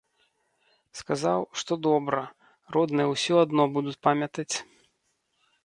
Сказаў, што добра, родныя ўсё адно будуць памятаць.